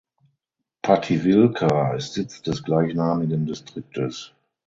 Pativilca ist Sitz des gleichnamigen Distriktes.